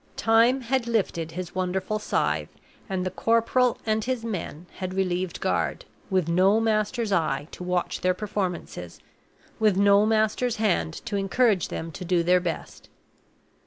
Time had lifted his wonderful scythe, and the corporal and his men had relieved guard, with no master's eye to watch their performances, with no master's hand to encourage them to do their best.